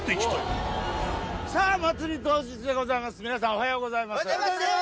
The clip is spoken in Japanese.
おはようございます！